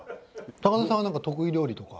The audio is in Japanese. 高田さんは得意料理とか。